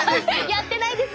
やってないです！